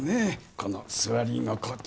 この座り心地。